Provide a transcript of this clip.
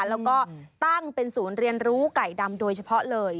แล้วก็ตั้งเป็นศูนย์เรียนรู้ไก่ดำโดยเฉพาะเลย